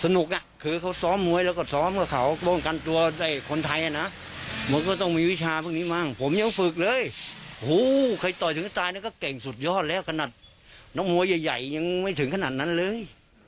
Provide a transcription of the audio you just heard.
น้องมัวใหญ่ยังไม่ถึงขนาดนั้นเลย